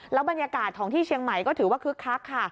บรรยากาศของที่เชียงใหม่ก็ถือว่าคึกคักค่ะ